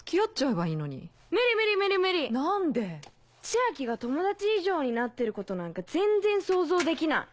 千昭が友達以上になってることなんか全然想像できない。